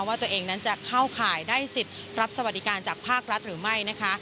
ว่าตัวเองนั้นจะเข้าข่ายได้สิทธิ์รับสวัสดิการจากภาครัฐหรือไม่นะคะ